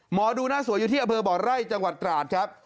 หมอดูหน้าสวยอยู่ที่อำเภอบ่อไร่จังหวัดตราดครับ